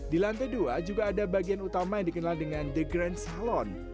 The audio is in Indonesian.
di lantai dua juga ada bagian utama yang dikenal dengan the grand salon